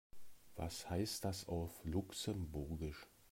Was heißt das auf Luxemburgisch?